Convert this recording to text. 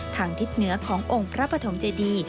ทางทิศเหนือขององค์พระปฐมเจดี